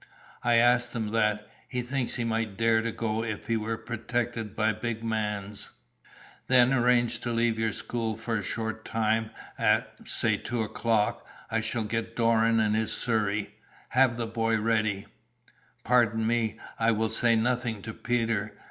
"I asked him that. He thinks he might dare to go if he were protected by 'big mans.'" "Then, arrange to leave your school for a short time, at, say two o'clock. I shall get Doran and his surrey. Have the boy ready " "Pardon me, I will say nothing to Peter.